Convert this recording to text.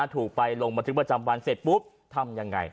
ถูกไปลงบันทึกประจำวันเสร็จปุ๊บทำยังไง